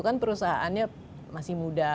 kan perusahaannya masih muda